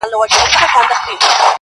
د هر سهار تر لمانځه راوروسته_